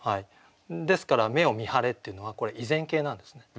ですから「目を見張れ」っていうのはこれ已然形なんですね。